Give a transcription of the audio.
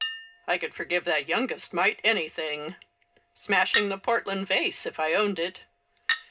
" I could forgive that youngest mite anything — smash ing the Portland vase, if I owned it.